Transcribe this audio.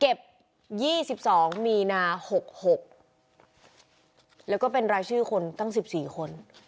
เก็บยี่สิบสองมีนาหกหกแล้วก็เป็นรายชื่อคนตั้งสิบสี่คน